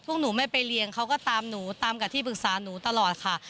พวกหนูไม่ไปเรียนเขาก็ตามหนูตามกับที่ปรึกษาหนูตลอดค่ะ